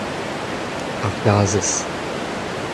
Ar gazhez.